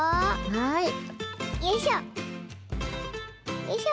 よいしょ。